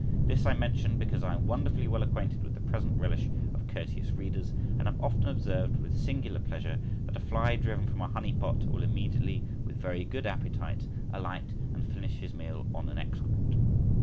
This I mention, because I am wonderfully well acquainted with the present relish of courteous readers, and have often observed, with singular pleasure, that a fly driven from a honey pot will immediately, with very good appetite, alight and finish his meal on an excrement.